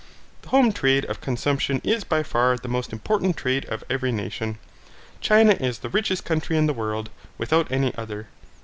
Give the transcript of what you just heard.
The home trade of consumption is by far the most important trade of every nation. China is the richest country in the world, without any other.